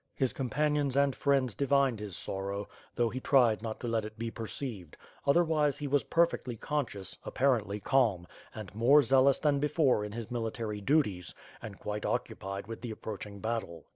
His companions and friends divined his sorrow, though he tried not to let it be perceived; otherwise, he was perfectly conscious, apparently calm; and more zealous than before in his military duties, and quite occupied with the approaching battle.